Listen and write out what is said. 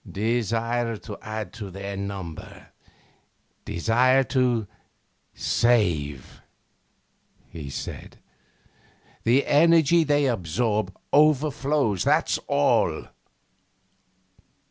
'Desire to add to their number desire to save,' he said. 'The energy they absorb overflows, that's all.